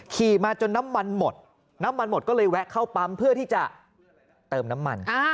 ขี่มาจนน้ำมันหมดน้ำมันหมดก็เลยแวะเข้าปั๊มเพื่อที่จะเติมน้ำมัน